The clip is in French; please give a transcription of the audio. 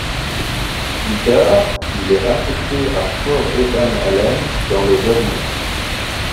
Plus tard, il est affecté à Fort Ethan Allen, dans le Vermont.